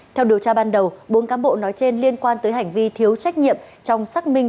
theo điều tra ban đầu bốn cán bộ nói trên liên quan tới hành vi thiếu trách nhiệm trong xác minh